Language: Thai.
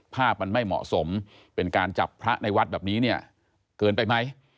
ภาพมันไม่เหมาะสมเป็นการจับพระในวัดแบบนี้เนี่ยเกินไปไหม